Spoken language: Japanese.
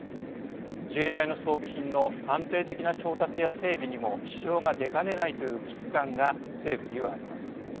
自衛隊の装備品の安定的な調達や整備にも支障が出かねないという危機感が政府にはあります。